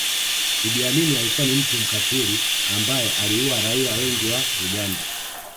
Idi Amin alikuwa ni mtu mkatili ambaye aliua raia wengi wa Uganda